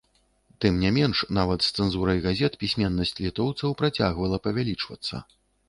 Тым не менш, нават з цэнзурай газет пісьменнасць літоўцаў працягвала павялічвацца.